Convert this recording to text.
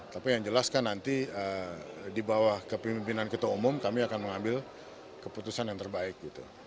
tapi yang jelas kan nanti di bawah kepemimpinan ketua umum kami akan mengambil keputusan yang terbaik gitu